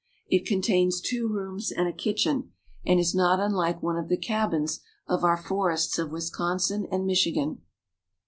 It contains two rooms and a kitchen, and is not unlike one of the cabins of our forests of Wisconsin and Michigan.